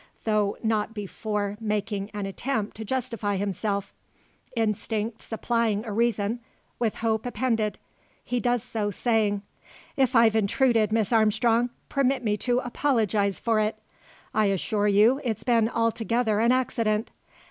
Though not before making an attempt to justify himself; instinct supplying a reason, with hope appended. He does so, saying, "If I've intruded, Miss Armstrong, permit me to apologise for it. I assure you it's been altogether an accident.